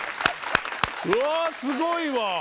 うわすごいわ。